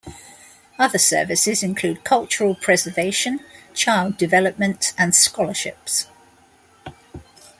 Other services include cultural preservation, child development, and scholarships.